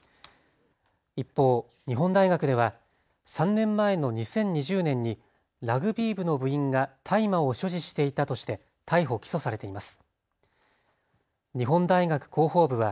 一方、日本大学では３年前の２０２０年にラグビー部の部員が大麻を所持していたとして逮捕・起訴されています。